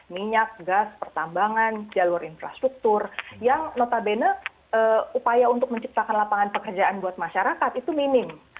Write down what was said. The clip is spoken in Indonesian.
minyak gas pertambangan jalur infrastruktur yang notabene upaya untuk menciptakan lapangan pekerjaan buat masyarakat itu minim